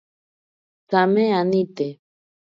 Tsame anite.